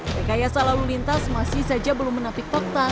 rekayasa lalu lintas masih saja belum menampik fakta